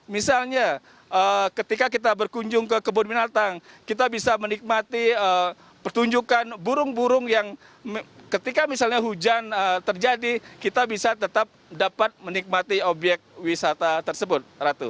misalnya ketika kita berkunjung ke kebun binatang kita bisa menikmati pertunjukan burung burung yang ketika misalnya hujan terjadi kita bisa tetap dapat menikmati obyek wisata tersebut ratu